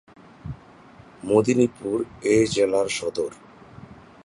মেদিনীপুর এই জেলার সদর।